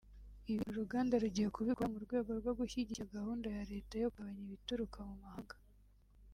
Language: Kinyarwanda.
Ibi uru ruganda rugiye kubikora mu rwego rwo gushyigikira gahunda ya leta yo kugabanya ibituruka mu mahanga